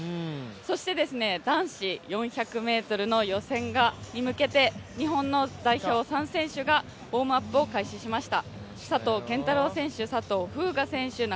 そして、男子４００ｍの予選に向けて日本の代表３選手がウォームアップを開始しました。